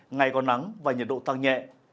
ngày có nắng và nhiệt độ tăng nhẹ